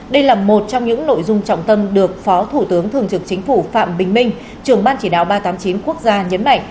đây là một trong những nội dung trọng tâm được phó thủ tướng thường trực chính phủ phạm bình minh trưởng ban chỉ đạo ba trăm tám mươi chín quốc gia nhấn mạnh